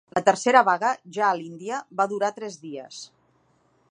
La tercera vaga, ja a l’Índia, va durar tres dies.